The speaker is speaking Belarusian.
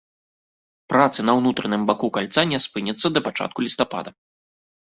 Працы на ўнутраным баку кальца не спыняцца да пачатку лістапада.